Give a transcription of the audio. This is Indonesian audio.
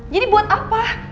jadi buat apa